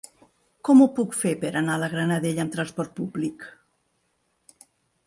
Com ho puc fer per anar a la Granadella amb trasport públic?